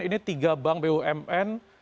ini tiga bank bumn